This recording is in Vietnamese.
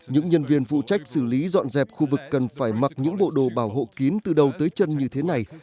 những nhân viên vụ trách xử lý dọn dẹp khu vực cần phải mặc những bộ đồ bảo hộ kín từ đầu tới chân như thế này